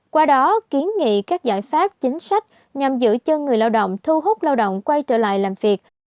qua đó kiến nghị các giải pháp chính sách nhằm giữ chân người lao động thu hút lao động quay trở lại làm việc